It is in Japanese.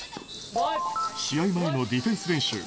試合前のディフェンス練習。